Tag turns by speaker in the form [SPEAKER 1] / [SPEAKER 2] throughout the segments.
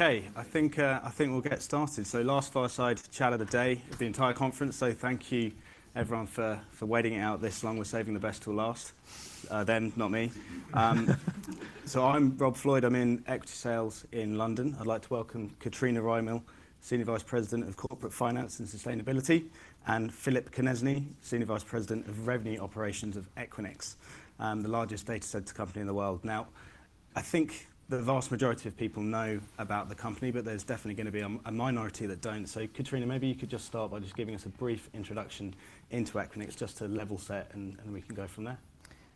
[SPEAKER 1] Okay, I think we'll get started. So, last fireside chat of the day, the entire conference. So, thank you, everyone, for waiting it out this long. We're saving the best till last. Then, not me. So, I'm Rob Floyd. I'm in Equity Sales in London. I'd like to welcome Katrina Rymill, Senior Vice President of Corporate Finance and Sustainability, and Philip Konieczny, Senior Vice President of Revenue Operations of Equinix, the largest data center company in the world. Now, I think the vast majority of people know about the company, but there's definitely going to be a minority that don't. So, Katrina, maybe you could just start by just giving us a brief introduction into Equinix, just to level set, and then we can go from there.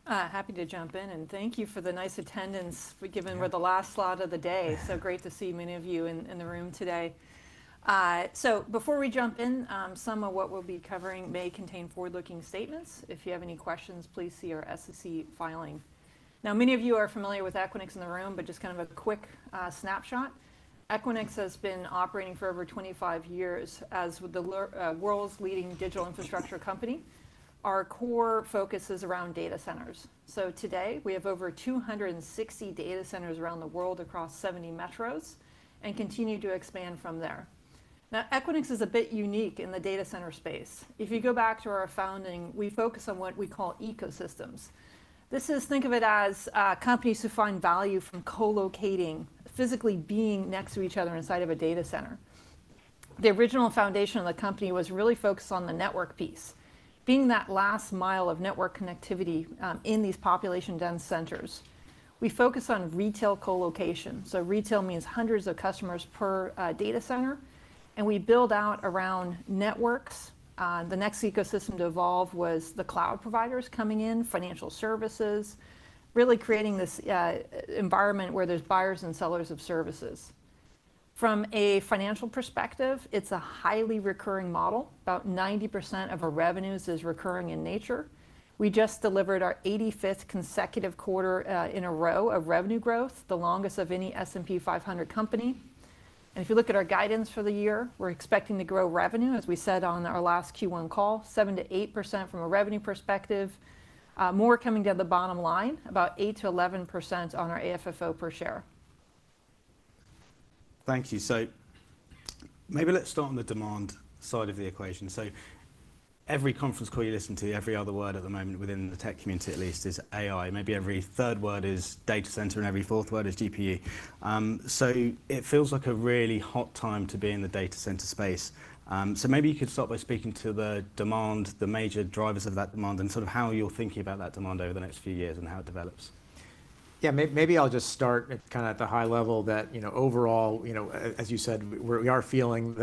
[SPEAKER 2] Happy to jump in, and thank you for the nice attendance, given we're the last slot of the day. So, great to see many of you in the room today. So, before we jump in, some of what we'll be covering may contain forward-looking statements. If you have any questions, please see our SEC filing. Now, many of you are familiar with Equinix in the room, but just kind of a quick snapshot. Equinix has been operating for over 25 years as the world's leading digital infrastructure company. Our core focus is around data centers. So, today, we have over 260 data centers around the world across 70 metros and continue to expand from there. Now, Equinix is a bit unique in the data center space. If you go back to our founding, we focus on what we call ecosystems. This is, think of it as companies who find value from colocating, physically being next to each other inside of a data center. The original foundation of the company was really focused on the network piece, being that last mile of network connectivity in these population-dense centers. We focus on retail colocation. So, retail means hundreds of customers per data center, and we build out around networks. The next ecosystem to evolve was the cloud providers coming in, financial services, really creating this environment where there's buyers and sellers of services. From a financial perspective, it's a highly recurring model. About 90% of our revenues is recurring in nature. We just delivered our 85th consecutive quarter in a row of revenue growth, the longest of any S&P 500 company. If you look at our guidance for the year, we're expecting to grow revenue, as we said on our last Q1 call, 7%-8% from a revenue perspective, more coming down the bottom line, about 8%-11% on our AFFO per share.
[SPEAKER 1] Thank you. So, maybe let's start on the demand side of the equation. So, every conference call you listen to, every other word at the moment within the tech community, at least, is AI. Maybe every third word is data center, and every fourth word is GPU. So, it feels like a really hot time to be in the data center space. So, maybe you could start by speaking to the demand, the major drivers of that demand, and sort of how you're thinking about that demand over the next few years and how it develops.
[SPEAKER 3] Yeah, maybe I'll just start kind of at the high level that, overall, as you said, we are feeling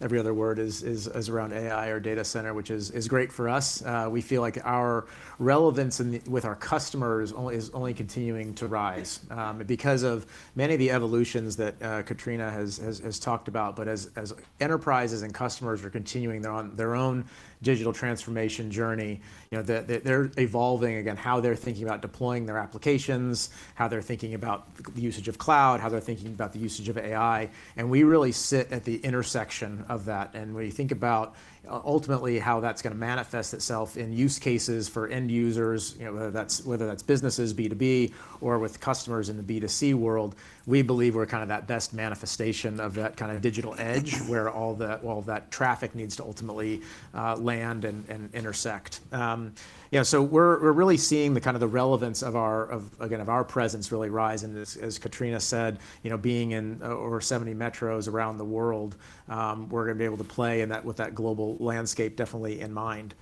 [SPEAKER 3] every other word is around AI or data center, which is great for us. We feel like our relevance with our customers is only continuing to rise because of many of the evolutions that Katrina has talked about. But as enterprises and customers are continuing their own digital transformation journey, they're evolving again how they're thinking about deploying their applications, how they're thinking about the usage of cloud, how they're thinking about the usage of AI. And we really sit at the intersection of that. When you think about ultimately how that's going to manifest itself in use cases for end users, whether that's businesses, B2B, or with customers in the B2C world, we believe we're kind of that best manifestation of that kind of digital edge where all that traffic needs to ultimately land and intersect. So, we're really seeing kind of the relevance of our presence really rise. And as Katrina said, being in over 70 metros around the world, we're going to be able to play with that global landscape definitely in mind.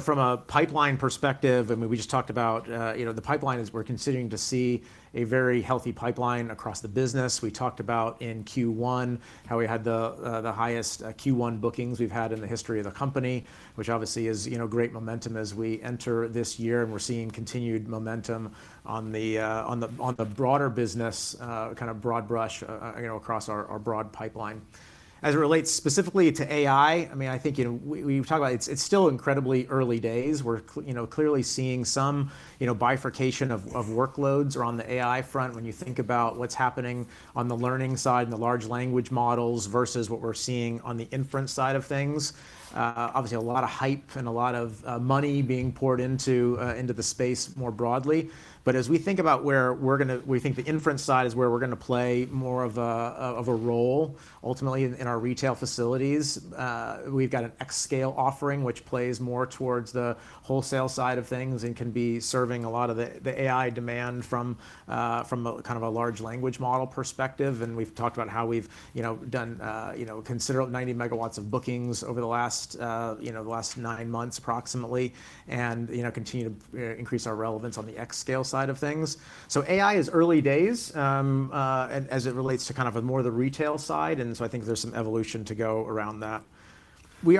[SPEAKER 3] From a pipeline perspective, I mean, we just talked about the pipeline is, we're continuing to see a very healthy pipeline across the business. We talked about in Q1 how we had the highest Q1 bookings we've had in the history of the company, which obviously is great momentum as we enter this year. And we're seeing continued momentum on the broader business, kind of broad brush across our broad pipeline. As it relates specifically to AI, I mean, I think we talk about it's still incredibly early days. We're clearly seeing some bifurcation of workloads around the AI front when you think about what's happening on the learning side and the large language models versus what we're seeing on the inference side of things. Obviously, a lot of hype and a lot of money being poured into the space more broadly. But as we think about where we're going to, we think the inference side is where we're going to play more of a role, ultimately in our retail facilities. We've got an xScale offering, which plays more towards the wholesale side of things and can be serving a lot of the AI demand from kind of a large language model perspective. And we've talked about how we've done a considerable 90 MW of bookings over the last nine months approximately and continue to increase our relevance on the xScale side of things. So, AI is early days as it relates to kind of more of the retail side. And so, I think there's some evolution to go around that. We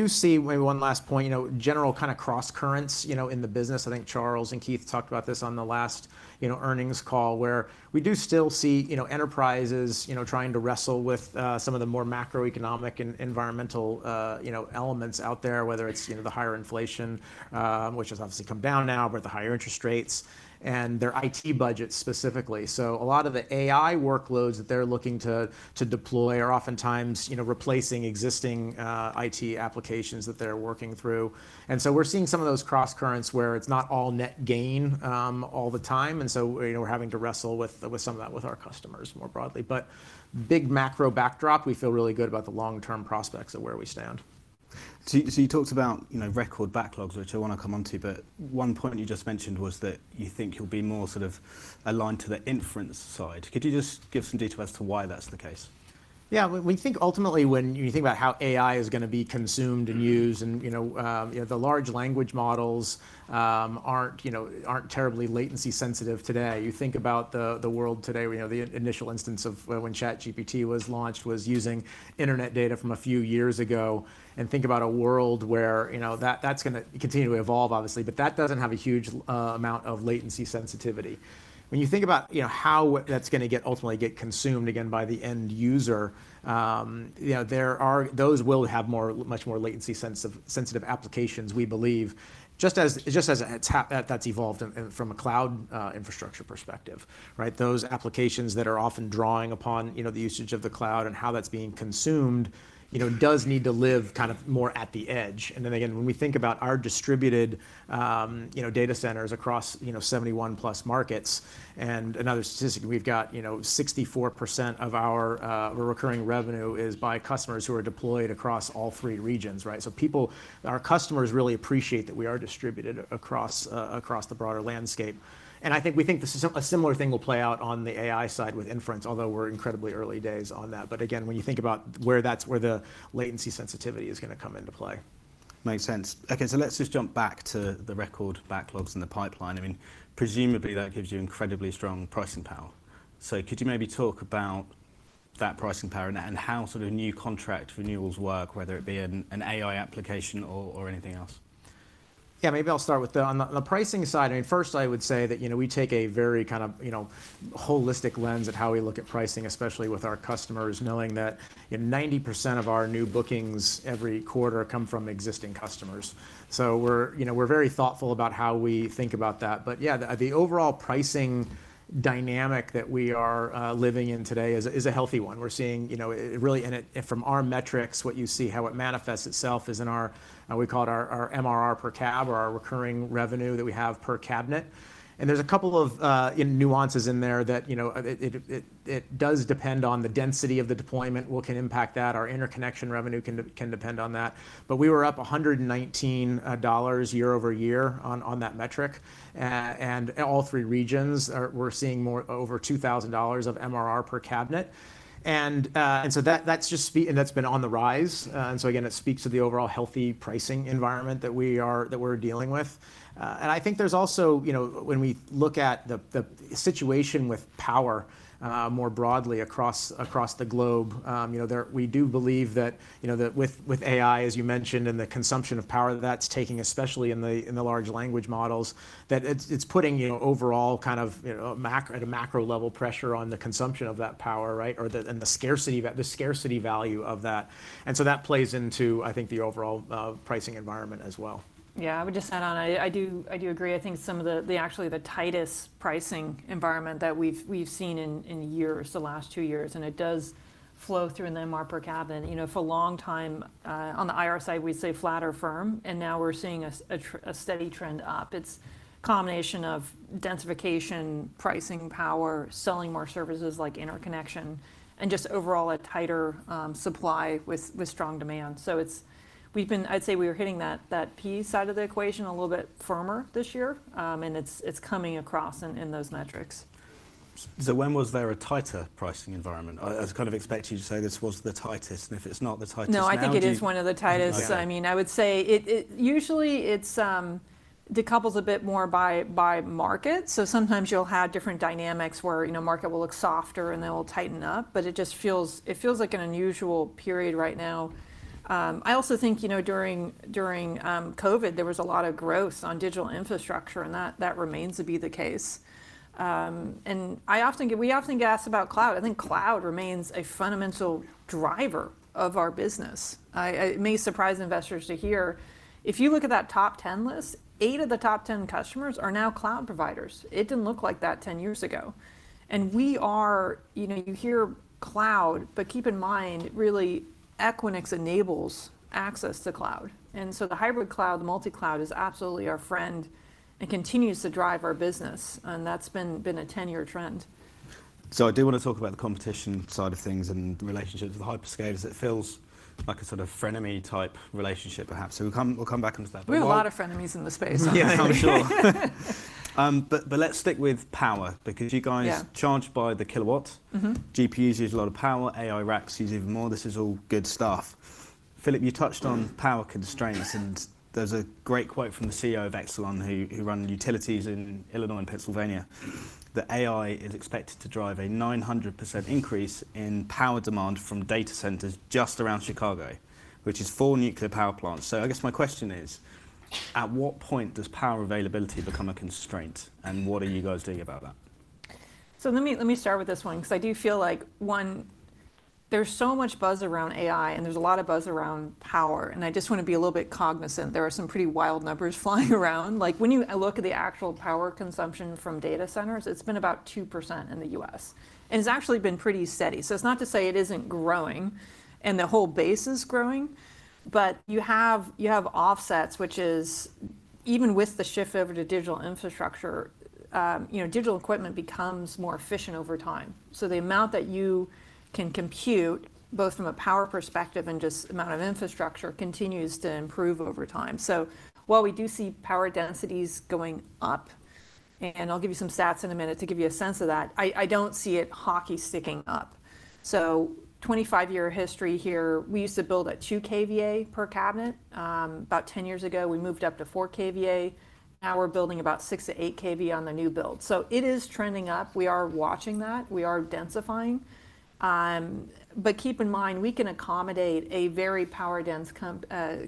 [SPEAKER 3] do see, maybe one last point, general kind of cross currents in the business. I think Charles and Keith talked about this on the last earnings call where we do still see enterprises trying to wrestle with some of the more macroeconomic and environmental elements out there, whether it's the higher inflation, which has obviously come down now, but the higher interest rates and their IT budgets specifically. So, a lot of the AI workloads that they're looking to deploy are oftentimes replacing existing IT applications that they're working through. And so, we're seeing some of those cross currents where it's not all net gain all the time. And so, we're having to wrestle with some of that with our customers more broadly. But big macro backdrop, we feel really good about the long-term prospects of where we stand.
[SPEAKER 1] So, you talked about record backlogs, which I want to come on to, but one point you just mentioned was that you think you'll be more sort of aligned to the inference side. Could you just give some detail as to why that's the case?
[SPEAKER 3] Yeah, we think ultimately when you think about how AI is going to be consumed and used and the large language models aren't terribly latency sensitive today. You think about the world today, the initial instance of when ChatGPT was launched was using internet data from a few years ago. And think about a world where that's going to continue to evolve, obviously, but that doesn't have a huge amount of latency sensitivity. When you think about how that's going to ultimately get consumed again by the end user, those will have much more latency sensitive applications, we believe, just as that's evolved from a cloud infrastructure perspective. Those applications that are often drawing upon the usage of the cloud and how that's being consumed does need to live kind of more at the edge. And then again, when we think about our distributed data centers across 71+ markets and another statistic, we've got 64% of our recurring revenue is by customers who are deployed across all three regions. So, our customers really appreciate that we are distributed across the broader landscape. And I think we think a similar thing will play out on the AI side with inference, although we're incredibly early days on that. But again, when you think about where that's the latency sensitivity is going to come into play.
[SPEAKER 1] Makes sense. Okay, so let's just jump back to the record backlogs and the pipeline. I mean, presumably that gives you incredibly strong pricing power. So, could you maybe talk about that pricing power and how sort of new contract renewals work, whether it be an AI application or anything else?
[SPEAKER 3] Yeah, maybe I'll start with the pricing side. I mean, first, I would say that we take a very kind of holistic lens at how we look at pricing, especially with our customers, knowing that 90% of our new bookings every quarter come from existing customers. So, we're very thoughtful about how we think about that. But yeah, the overall pricing dynamic that we are living in today is a healthy one. We're seeing really, and from our metrics, what you see how it manifests itself is in our, we call it our MRR per cab or our recurring revenue that we have per cabinet. And there's a couple of nuances in there that it does depend on the density of the deployment. What can impact that? Our interconnection revenue can depend on that. But we were up $119 year-over-year on that metric. And all three regions, we're seeing more over $2,000 of MRR per cabinet. And so, that's just, and that's been on the rise. And so, again, it speaks to the overall healthy pricing environment that we're dealing with. And I think there's also, when we look at the situation with power more broadly across the globe, we do believe that with AI, as you mentioned, and the consumption of power that that's taking, especially in the large language models, that it's putting overall kind of at a macro level pressure on the consumption of that power and the scarcity value of that. And so, that plays into, I think, the overall pricing environment as well.
[SPEAKER 2] Yeah, I would just add on. I do agree. I think some of, actually, the tightest pricing environment that we've seen in years, the last two years, and it does flow through in the MRR per cabinet. For a long time, on the IR side, we'd say flat or firm, and now we're seeing a steady trend up. It's a combination of densification, pricing power, selling more services like interconnection, and just overall a tighter supply with strong demand. So, we've been. I'd say we were hitting that P side of the equation a little bit firmer this year, and it's coming across in those metrics.
[SPEAKER 1] When was there a tighter pricing environment? I kind of expect you to say this was the tightest, and if it's not the tightest environment.
[SPEAKER 2] No, I think it is one of the tightest. I mean, I would say it usually decouples a bit more by market. So, sometimes you'll have different dynamics where market will look softer and then it will tighten up, but it just feels like an unusual period right now. I also think during COVID, there was a lot of growth on digital infrastructure, and that remains to be the case. And we often get asked about cloud. I think cloud remains a fundamental driver of our business. It may surprise investors to hear. If you look at that top 10 list, eight of the top 10 customers are now cloud providers. It didn't look like that 10 years ago. And we are, you hear cloud, but keep in mind, really Equinix enables access to cloud. The hybrid cloud, multi-cloud is absolutely our friend and continues to drive our business, and that's been a 10-year trend.
[SPEAKER 1] So, I do want to talk about the competition side of things and relationships with Hyperscale because it feels like a sort of frenemy type relationship, perhaps. So, we'll come back into that.
[SPEAKER 2] We have a lot of frenemies in the space.
[SPEAKER 1] Yeah, I'm sure. But let's stick with power because you guys charge by the kilowatt. GPUs use a lot of power. AI racks use even more. This is all good stuff. Phillip, you touched on power constraints, and there's a great quote from the CEO of Exelon who run utilities in Illinois and Pennsylvania that AI is expected to drive a 900% increase in power demand from data centers just around Chicago, which is four nuclear power plants. So, I guess my question is, at what point does power availability become a constraint, and what are you guys doing about that?
[SPEAKER 2] So, let me start with this one because I do feel like one, there's so much buzz around AI, and there's a lot of buzz around power. And I just want to be a little bit cognizant. There are some pretty wild numbers flying around. Like when you look at the actual power consumption from data centers, it's been about 2% in the U.S., and it's actually been pretty steady. So, it's not to say it isn't growing and the whole base is growing, but you have offsets, which is even with the shift over to digital infrastructure, digital equipment becomes more efficient over time. So, the amount that you can compute both from a power perspective and just amount of infrastructure continues to improve over time. So, while we do see power densities going up, and I'll give you some stats in a minute to give you a sense of that, I don't see it hockey sticking up. So, 25-year history here, we used to build at 2 kVA per cabinet. About 10 years ago, we moved up to 4 kVA. Now we're building about 6-8 kVA on the new build. So, it is trending up. We are watching that. We are densifying. But keep in mind, we can accommodate a very power-dense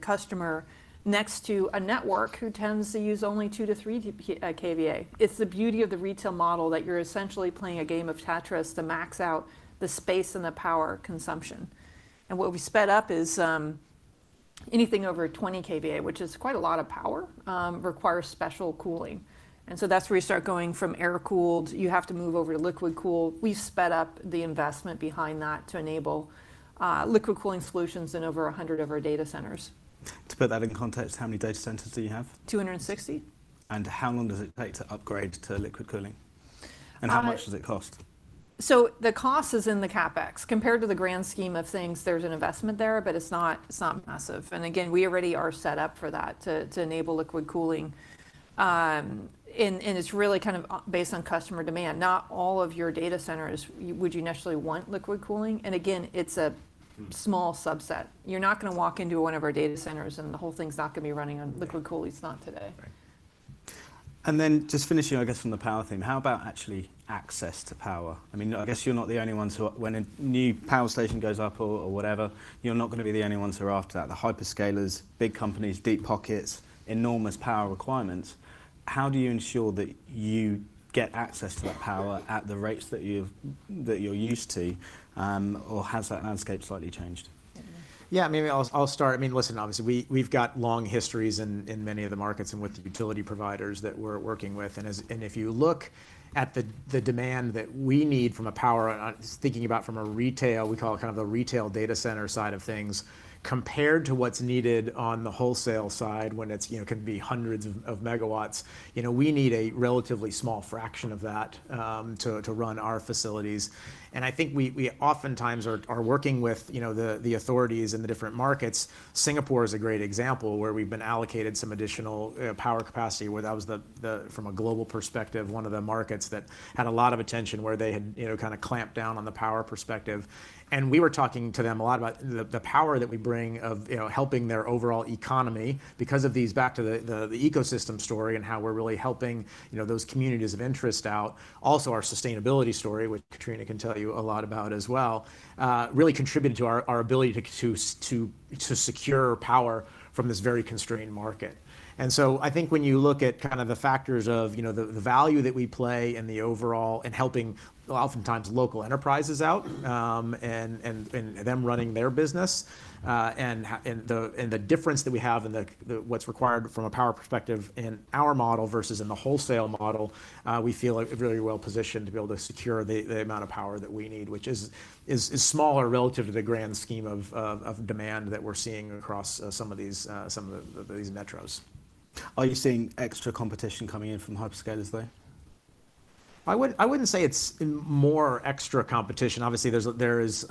[SPEAKER 2] customer next to a network who tends to use only 2-3 kVA. It's the beauty of the retail model that you're essentially playing a game of Tetris to max out the space and the power consumption. And what we sped up is anything over 20 kVA, which is quite a lot of power, requires special cooling. And so, that's where you start going from air-cooled. You have to move over to liquid-cooled. We've sped up the investment behind that to enable liquid cooling solutions in over 100 of our data centers.
[SPEAKER 1] To put that in context, how many data centers do you have?
[SPEAKER 2] 260.
[SPEAKER 1] How long does it take to upgrade to liquid cooling? And how much does it cost?
[SPEAKER 2] So, the cost is in the CapEx. Compared to the grand scheme of things, there's an investment there, but it's not massive. Again, we already are set up for that to enable liquid cooling. And it's really kind of based on customer demand. Not all of your data centers would you initially want liquid cooling. Again, it's a small subset. You're not going to walk into one of our data centers and the whole thing's not going to be running on liquid cooling. It's not today.
[SPEAKER 1] Then just finishing, I guess, from the power theme, how about, actually, access to power? I mean, I guess you're not the only ones who, when a new power station goes up or whatever, you're not going to be the only ones who are after that. The hyperscalers, big companies, deep pockets, enormous power requirements. How do you ensure that you get access to that power at the rates that you're used to, or has that landscape slightly changed?
[SPEAKER 3] Yeah, maybe I'll start. I mean, listen, obviously, we've got long histories in many of the markets and with the utility providers that we're working with. And if you look at the demand that we need from a power, thinking about from a retail, we call it kind of the retail data center side of things compared to what's needed on the wholesale side when it can be hundreds of megawatts, we need a relatively small fraction of that to run our facilities. And I think we oftentimes are working with the authorities in the different markets. Singapore is a great example where we've been allocated some additional power capacity where that was from a global perspective, one of the markets that had a lot of attention where they had kind of clamped down on the power perspective. We were talking to them a lot about the power that we bring of helping their overall economy because of these back to the ecosystem story and how we're really helping those communities of interest out. Also, our sustainability story, which Katrina can tell you a lot about as well, really contributed to our ability to secure power from this very constrained market. And so, I think when you look at kind of the factors of the value that we play in the overall and helping oftentimes local enterprises out and them running their business and the difference that we have and what's required from a power perspective in our model versus in the wholesale model, we feel really well positioned to be able to secure the amount of power that we need, which is smaller relative to the grand scheme of demand that we're seeing across some of these metros.
[SPEAKER 1] Are you seeing extra competition coming in from Hyperscalers there?
[SPEAKER 3] I wouldn't say it's more extra competition. Obviously, there is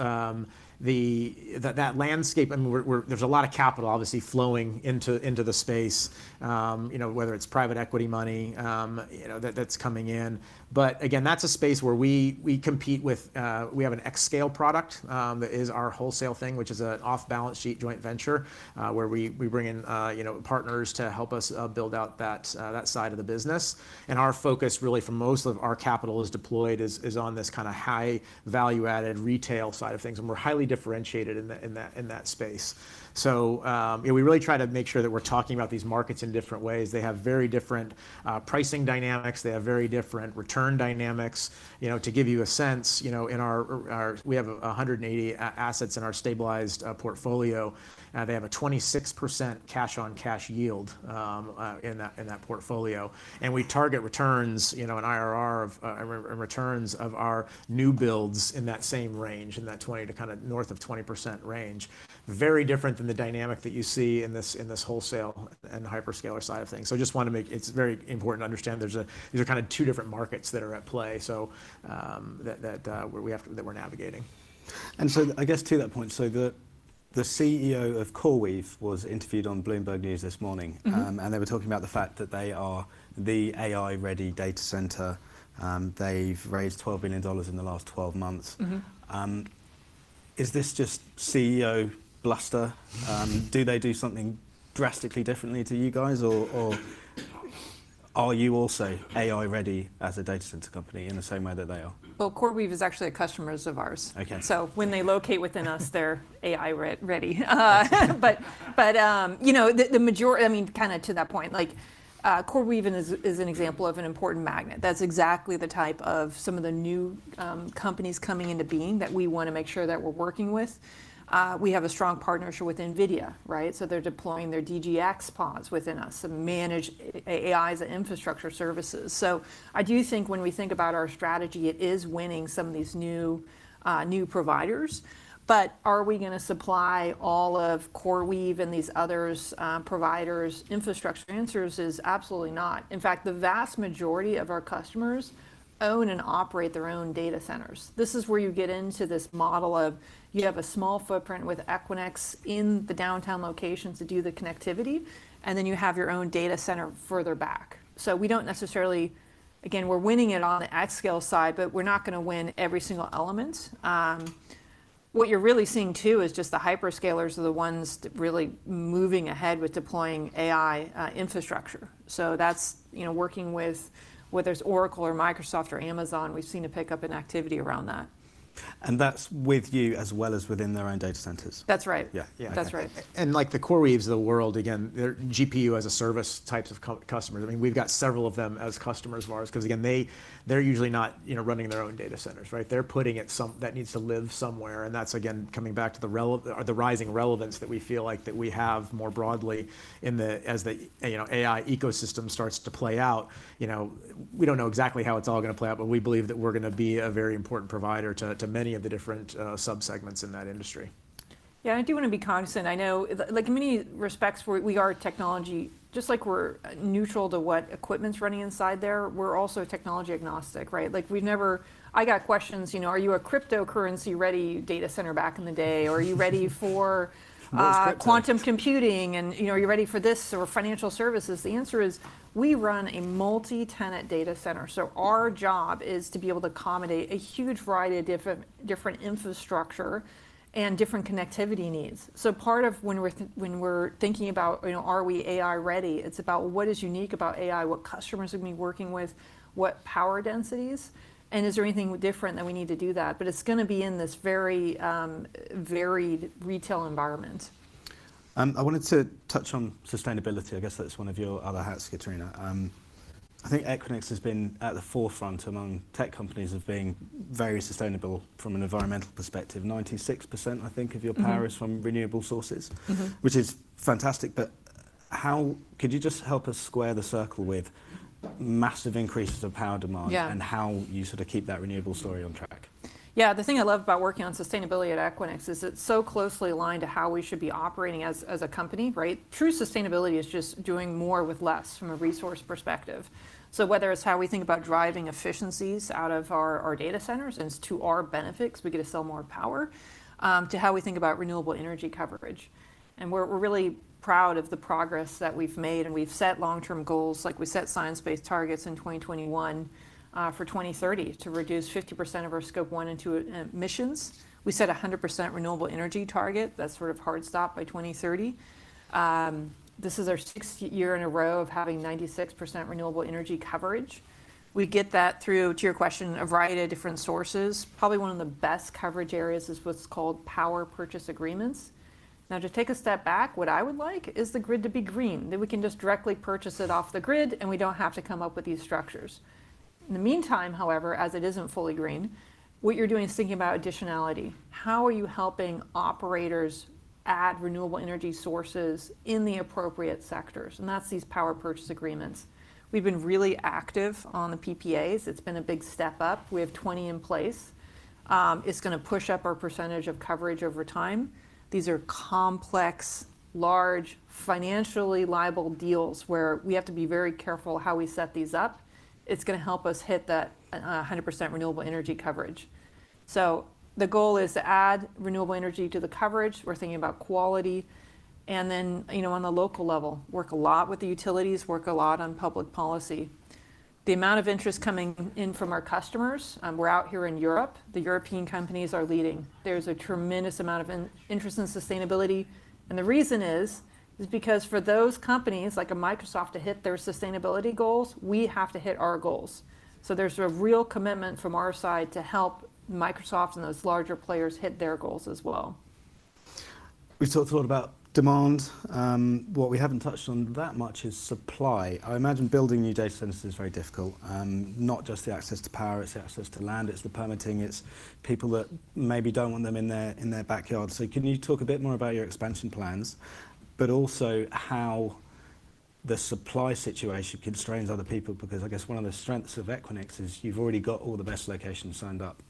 [SPEAKER 3] that landscape. I mean, there's a lot of capital obviously flowing into the space, whether it's private equity money that's coming in. But again, that's a space where we compete with, we have an xScale product that is our wholesale thing, which is an off-balance sheet joint venture where we bring in partners to help us build out that side of the business. And our focus really for most of our capital is deployed is on this kind of high value-added retail side of things. And we're highly differentiated in that space. So, we really try to make sure that we're talking about these markets in different ways. They have very different pricing dynamics. They have very different return dynamics. To give you a sense, we have 180 assets in our stabilized portfolio. They have a 26% cash-on-cash yield in that portfolio. We target returns, an IRR and returns of our new builds in that same range, in that 20% to kind of north of 20% range. Very different than the dynamic that you see in this wholesale and Hyperscaler side of things. I just want to make, it's very important to understand there's kind of two different markets that are at play that we're navigating.
[SPEAKER 1] So, I guess to that point, the CEO of CoreWeave was interviewed on Bloomberg News this morning, and they were talking about the fact that they are the AI-ready data center. They've raised $12 billion in the last 12 months. Is this just CEO bluster? Do they do something drastically differently to you guys, or are you also AI-ready as a data center company in the same way that they are?
[SPEAKER 2] Well, CoreWeave is actually a customer of ours. So, when they locate within us, they're AI-ready. But the majority, I mean, kind of to that point, CoreWeave is an example of an important magnet. That's exactly the type of some of the new companies coming into being that we want to make sure that we're working with. We have a strong partnership with NVIDIA, right? So, they're deploying their DGX pods within us and manage AI as an infrastructure services. So, I do think when we think about our strategy, it is winning some of these new providers. But are we going to supply all of CoreWeave and these other providers infrastructure answers? It's absolutely not. In fact, the vast majority of our customers own and operate their own data centers. This is where you get into this model of you have a small footprint with Equinix in the downtown locations to do the connectivity, and then you have your own data center further back. So, we don't necessarily, again, we're winning it on the xScale side, but we're not going to win every single element. What you're really seeing too is just the hyperscalers are the ones really moving ahead with deploying AI infrastructure. So, that's working with whether it's Oracle or Microsoft or Amazon, we've seen a pickup in activity around that.
[SPEAKER 1] That's with you as well as within their own data centers?
[SPEAKER 2] That's right.
[SPEAKER 1] Yeah.
[SPEAKER 2] That's right.
[SPEAKER 1] And like the CoreWeaves of the world, again, GPU as a service types of customers. I mean, we've got several of them as customers of ours because again, they're usually not running their own data centers, right? They're putting it that needs to live somewhere. And that's again, coming back to the rising relevance that we feel like that we have more broadly as the AI ecosystem starts to play out. We don't know exactly how it's all going to play out, but we believe that we're going to be a very important provider to many of the different subsegments in that industry.
[SPEAKER 2] Yeah, I do want to be cognizant. I know like in many respects, we are technology, just like we're neutral to what equipment's running inside there, we're also technology agnostic, right? Like we've never, I got questions, you know, are you a cryptocurrency ready data center back in the day? Or are you ready for quantum computing? And are you ready for this or financial services? The answer is we run a multi-tenant data center. So, our job is to be able to accommodate a huge variety of different infrastructure and different connectivity needs. So, part of when we're thinking about, are we AI ready, it's about what is unique about AI, what customers are going to be working with, what power densities, and is there anything different that we need to do that? But it's going to be in this very varied retail environment.
[SPEAKER 1] I wanted to touch on sustainability. I guess that's one of your other hats, Katrina. I think Equinix has been at the forefront among tech companies of being very sustainable from an environmental perspective. 96%, I think, of your power is from renewable sources, which is fantastic. But how could you just help us square the circle with massive increases of power demand and how you sort of keep that renewable story on track?
[SPEAKER 2] Yeah, the thing I love about working on sustainability at Equinix is it's so closely aligned to how we should be operating as a company, right? True sustainability is just doing more with less from a resource perspective. So, whether it's how we think about driving efficiencies out of our data centers, and it's to our benefit because we get to sell more power, to how we think about renewable energy coverage. And we're really proud of the progress that we've made. And we've set long-term goals. Like we set science-based targets in 2021 for 2030 to reduce 50% of our Scope 1 and 2 emissions. We set a 100% renewable energy target. That's sort of hard stop by 2030. This is our sixth year in a row of having 96% renewable energy coverage. We get that through, to your question, a variety of different sources. Probably one of the best coverage areas is what's called power purchase agreements. Now, to take a step back, what I would like is the grid to be green, that we can just directly purchase it off the grid and we don't have to come up with these structures. In the meantime, however, as it isn't fully green, what you're doing is thinking about additionality. How are you helping operators add renewable energy sources in the appropriate sectors? And that's these power purchase agreements. We've been really active on the PPAs. It's been a big step up. We have 20 in place. It's going to push up our percentage of coverage over time. These are complex, large, financially liable deals where we have to be very careful how we set these up. It's going to help us hit that 100% renewable energy coverage. So, the goal is to add renewable energy to the coverage. We're thinking about quality. And then on the local level, work a lot with the utilities, work a lot on public policy. The amount of interest coming in from our customers. We're out here in Europe, the European companies are leading. There's a tremendous amount of interest in sustainability. And the reason is because for those companies like Microsoft to hit their sustainability goals, we have to hit our goals. So, there's a real commitment from our side to help Microsoft and those larger players hit their goals as well.
[SPEAKER 1] We talked a lot about demand. What we haven't touched on that much is supply. I imagine building new data centers is very difficult. Not just the access to power, it's the access to land, it's the permitting, it's people that maybe don't want them in their backyard. So, can you talk a bit more about your expansion plans, but also how the supply situation constrains other people? Because I guess one of the strengths of Equinix is you've already got all the best locations signed up.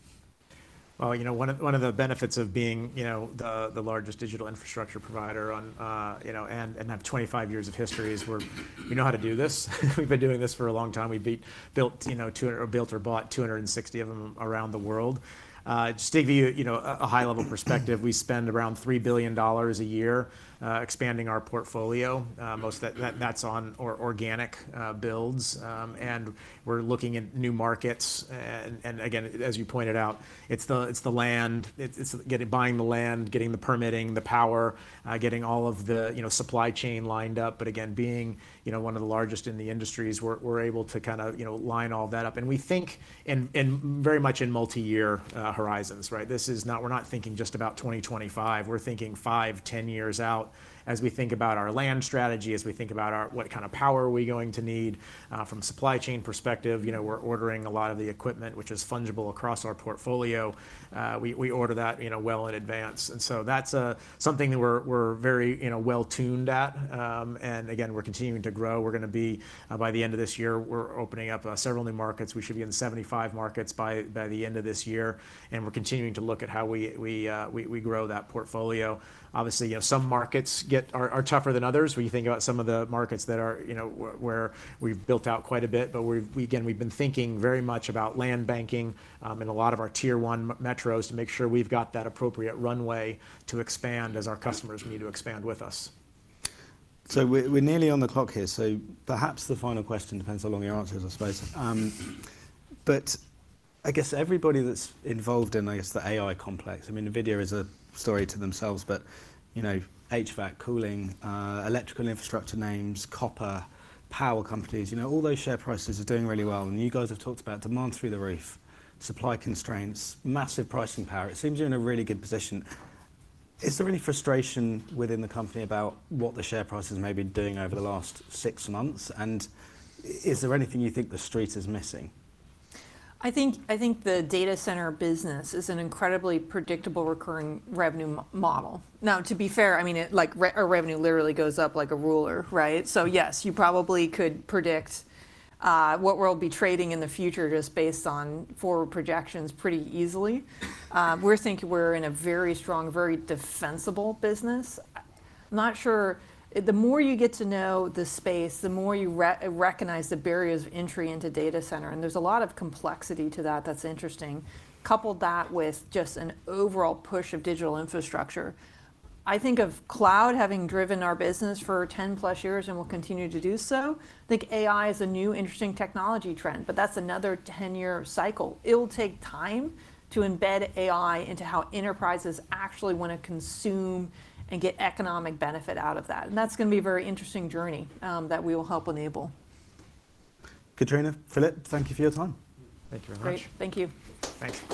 [SPEAKER 3] Well, you know, one of the benefits of being the largest digital infrastructure provider and have 25 years of history is we know how to do this. We've been doing this for a long time. We built or bought 260 of them around the world. Just to give you a high-level perspective, we spend around $3 billion a year expanding our portfolio. That's on organic builds. And we're looking at new markets. And again, as you pointed out, it's the land, it's buying the land, getting the permitting, the power, getting all of the supply chain lined up. But again, being one of the largest in the industries, we're able to kind of line all that up. And we think very much in multi-year horizons, right? This is not, we're not thinking just about 2025. We're thinking 5, 10 years out as we think about our land strategy, as we think about what kind of power are we going to need from a supply chain perspective. We're ordering a lot of the equipment, which is fungible across our portfolio. We order that well in advance. And so, that's something that we're very well tuned at. And again, we're continuing to grow. We're going to be, by the end of this year, we're opening up several new markets. We should be in 75 markets by the end of this year. And we're continuing to look at how we grow that portfolio. Obviously, some markets are tougher than others. When you think about some of the markets that are where we've built out quite a bit, but again, we've been thinking very much about land banking in a lot of our tier one metros to make sure we've got that appropriate runway to expand as our customers need to expand with us.
[SPEAKER 1] So, we're nearly on the clock here. Perhaps the final question depends how long your answer is, I suppose. But I guess everybody that's involved in, I guess, the AI complex, I mean, NVIDIA is a story to themselves, but HVAC, cooling, electrical infrastructure names, copper, power companies, you know, all those share prices are doing really well. And you guys have talked about demand through the roof, supply constraints, massive pricing power. It seems you're in a really good position. Is there any frustration within the company about what the share price has maybe been doing over the last six months? And is there anything you think the street is missing?
[SPEAKER 2] I think the data center business is an incredibly predictable recurring revenue model. Now, to be fair, I mean, our revenue literally goes up like a ruler, right? So, yes, you probably could predict what we'll be trading in the future just based on forward projections pretty easily. We're thinking we're in a very strong, very defensible business. I'm not sure. The more you get to know the space, the more you recognize the barriers of entry into data center. And there's a lot of complexity to that that's interesting. Couple that with just an overall push of digital infrastructure. I think of cloud having driven our business for 10+ years and will continue to do so. I think AI is a new interesting technology trend, but that's another 10-year cycle. It'll take time to embed AI into how enterprises actually want to consume and get economic benefit out of that. That's going to be a very interesting journey that we will help enable.
[SPEAKER 1] Katrina, Phillip, thank you for your time.
[SPEAKER 3] Thank you very much.
[SPEAKER 2] Great. Thank you.
[SPEAKER 3] Thanks.